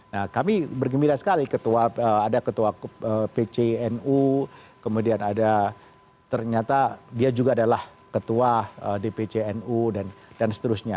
nah kami bergembira sekali ketua ada ketua pcnu kemudian ada ternyata dia juga adalah ketua dpcnu dan seterusnya